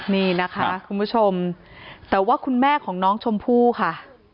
นี่นะคะคุณผู้ชมแต่ว่าคุณแม่ของน้องชมพู่ค่ะ